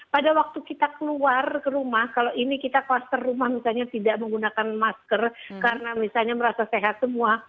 pada waktu kita keluar ke rumah kalau ini kita kluster rumah misalnya tidak menggunakan masker karena misalnya merasa sehat semua